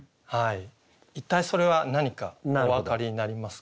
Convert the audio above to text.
一体それは何かお分かりになりますか？